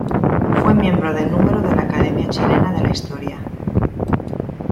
Fue miembro de número de la Academia Chilena de la Historia.